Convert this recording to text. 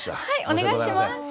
はいお願いします。